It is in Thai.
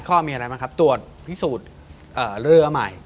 ข้อมีอะไรบ้างครับตรวจพิสูจน์เรือใหม่